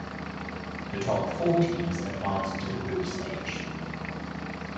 The top four teams advanced to the group stage.